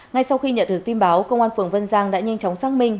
ngay sau khi nhận được tin báo công an phường vân giang đã nhanh chóng xác minh